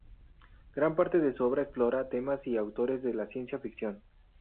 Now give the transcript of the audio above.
Gran parte de su obra explora temas y autores de la ciencia ficción.